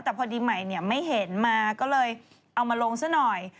แต่พอดีใหม่ไม่เห็นมาก็เลยเอามาลงซะหน่อย